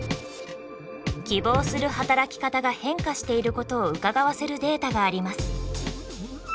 希望する働き方が変化していることをうかがわせるデータがあります。